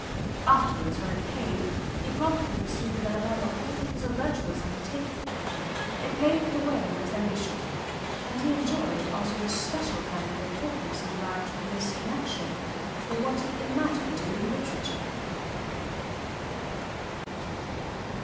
Afterwards, when it paid, he promptly perceived that upon the whole it was a virtuous undertaking. It paved the way of his ambition; and he enjoyed also the special kind of importance he derived from this connection with what he imagined to be literature.